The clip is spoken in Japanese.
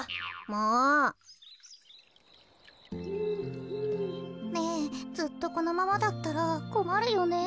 もう。ねえずっとこのままだったらこまるよね。